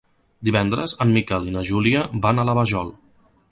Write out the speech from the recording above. Divendres en Miquel i na Júlia van a la Vajol.